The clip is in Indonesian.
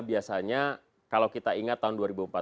biasanya kalau kita ingat tahun